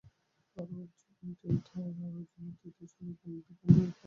তাঁরা আরও জানান, তৃতীয় শ্রেণির গণিত ও বিজ্ঞান বইও পাওয়া যায়নি।